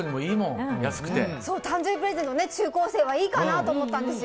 誕生日プレゼントに中高生はいいかなと思ったんですよ。